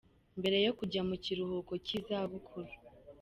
Mbere yo kujya mu kiruhuko cy’izabuku.